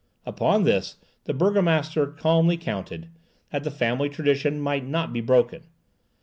Upon this the burgomaster calmly counted, that the family tradition might not be broken.